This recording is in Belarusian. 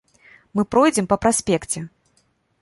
Мы пройдзем па праспекце.